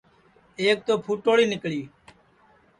ایک تو پُھٹوڑی نکݪی